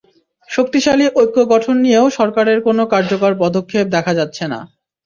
শক্তিশালী ঐক্য গঠন নিয়েও সরকারের কোনো কার্যকর পদক্ষেপ দেখা যাচ্ছে না।